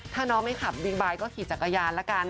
ถ้าน้องไม่ขับบิ๊กไบท์ก็ขี่จักรยานละกัน